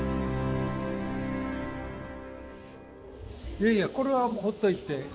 いやいやこれはもうほっといて。